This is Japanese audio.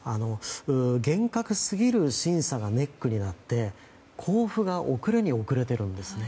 厳格すぎる審査がネックになって交付が遅れに遅れているんです。